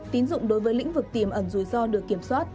tín dụng đối với lĩnh vực tiềm ẩn rủi ro được kiểm soát